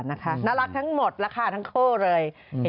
น่ารักทั้งหมดราคาทั้งโฆะเลย